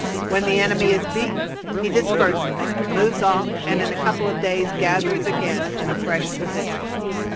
When the enemy is beaten he disperses, moves off, and in a couple of days gathers again in a fresh position.